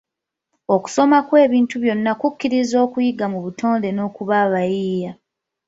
Okusoma kw'ebintu byonna kukkiriza okuyiga mu butonde n'okuba abayiiya.